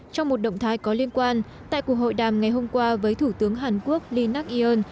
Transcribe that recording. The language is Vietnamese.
trong một động thái có liên quan tại cuộc hội đàm ngày hôm qua với thủ tướng hàn quốc lee nak yoon